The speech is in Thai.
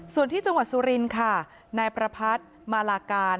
ส่วนที่จังหวัดสุรินค่ะนายประพัทธ์มาลาการ